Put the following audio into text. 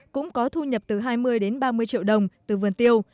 cũng có thu nhập từ hai mươi đến ba mươi triệu đồng từ vườn tiêu